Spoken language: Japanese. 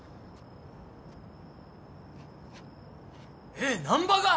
えっ難破が！？